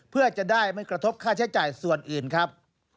เพื่อจะได้ไม่กระทบค่าใช้จ่ายส่วนอื่นครับ